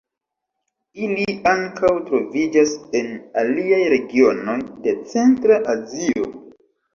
Ili ankaŭ troviĝas en aliaj regionoj de Centra Azio.